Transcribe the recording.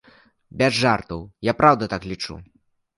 Без жартаў, я праўда так лічу.